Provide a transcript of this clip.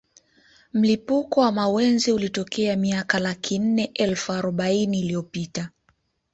Mlipuko wa mawenzi ulitokea miaka laki nne elfu aroubaini iliyopita